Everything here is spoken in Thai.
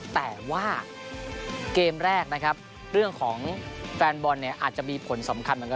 แต่ว่าเกมแรกนะครับเรื่องของแฟนบอลเนี่ยอาจจะมีผลสำคัญเหมือนกัน